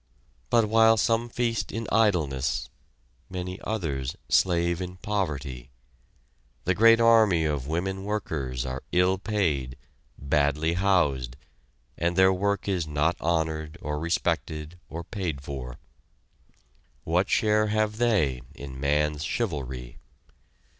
But while some feast in idleness, many others slave in poverty. The great army of women workers are ill paid, badly housed, and their work is not honored or respected or paid for. What share have they in man's chivalry?